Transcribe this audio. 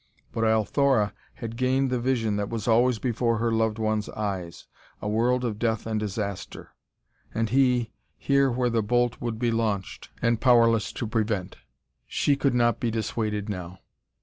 But Althora had gained the vision that was always before her loved one's eyes a world of death and disaster and he, here where the bolt would be launched, and powerless to prevent. She could not be dissuaded now.